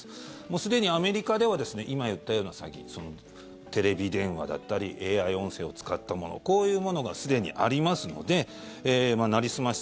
すでにアメリカでは今言ったような詐欺テレビ電話だったりＡＩ音声を使ったものこういうものがすでにありますのでなりすまし